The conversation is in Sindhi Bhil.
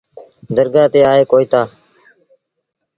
درگآه تي آئي ڪوئيٚتآ۔